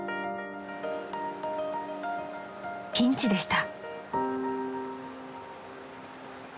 ［ピンチでした］